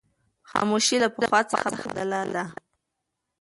خاموشي له پخوا څخه بدله ده.